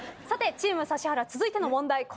さてチーム指原続いての問題